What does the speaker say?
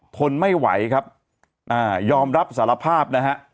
ทนไม่ไหวครับอ่ายอมรับสารภาพนะฮะ